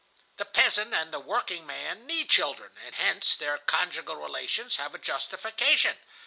"The peasant and the workingman need children, and hence their conjugal relations have a justification.